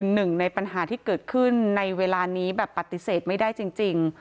หนึ่งในปัญหาที่เกิดขึ้นในเวลานี้แบบปฏิเสธไม่ได้จริง